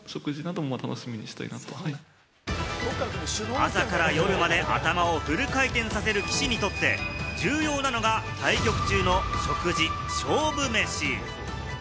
朝から夜まで頭をフル回転させる棋士にとって、重要なのが対局中の食事、勝負メシ。